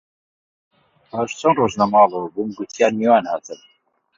پاش چەند ڕۆژ لە ماڵەوە بووم، گوتیان میوان هاتن